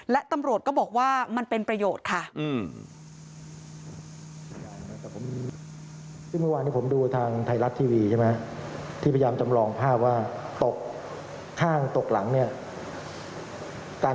และตำรวจก็บอกว่ามันเป็นประโยชน์ค่ะ